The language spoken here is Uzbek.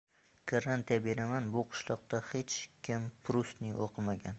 Garantiya beraman, bu qishloqda hech kim Prustni o‘qimagan!